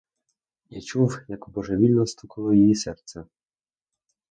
Я чув, як божевільно стукало її серце.